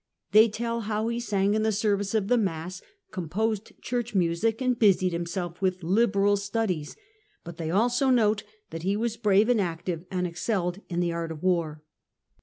They tell how he sang in the service of the Mass, com posed church music, and busied himself with "liberal studies," but they also note that he was brave and active, and " excelled in the art of war."